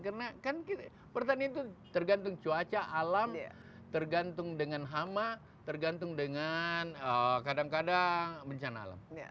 karena kan pertanian itu tergantung cuaca alam tergantung dengan hama tergantung dengan kadang kadang bencana alam